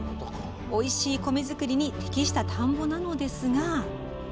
おいしい米作りに適した田んぼなのですが。